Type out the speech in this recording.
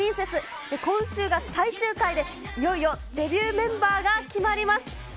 今週が最終回で、いよいよデビューメンバーが決まります。